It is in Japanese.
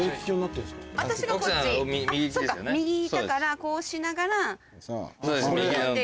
そっか右だからこうしながら。